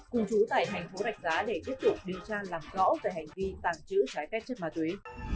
cùng chú tại thành phố rạch giá để tiếp tục điều tra làm rõ về hành vi tàng trữ trái phép chất ma túy